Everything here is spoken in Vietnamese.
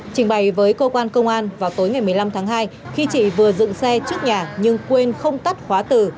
trình bày với cơ quan công an vào tối ngày một mươi năm tháng hai khi chị vừa dựng xe trước nhà nhưng quên không tắt khóa từ